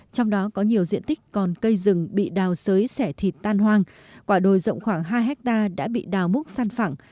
trong đó có nhiều diện tích còn cây rừng bị đào sới xẻ thịt tan hoang quả đồi rộng khoảng hai hectare đã bị đào múc săn phẳng